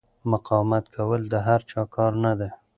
مقاومت کول د هر چا کار نه دی.